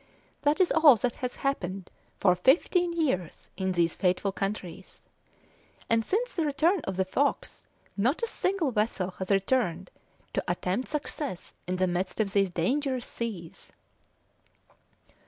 That is all that has happened for fifteen years in these fateful countries, and since the return of the Fox not a single vessel has returned to attempt success in the midst of these dangerous seas."